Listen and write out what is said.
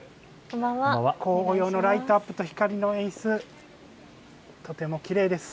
紅葉のライトアップと光の演出、とてもきれいです。